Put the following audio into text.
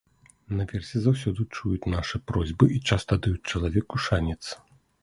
Наверсе заўсёды чуюць нашы просьбы і часта даюць чалавеку шанец.